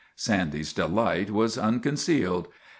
Sandy's delight was unconcealed.